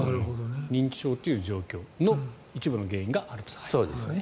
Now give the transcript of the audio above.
認知症という状況の一部の原因がアルツハイマー。